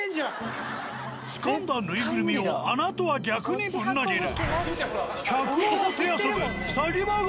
つかんだぬいぐるみを穴とは逆にぶん投げる。